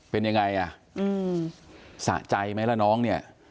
เป็นยังไงอ่ะสะใจไหมล่ะน้องเนี่ย